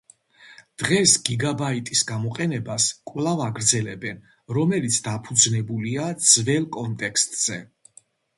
დღეს გიგაბაიტის გამოყენებას კვლავ აგრძელებენ, რომელიც დაფუძნებულია ძველ კონტექსტზე.